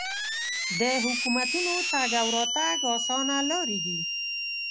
د حکومتونو تګ او راتګ اسانه لارې دي.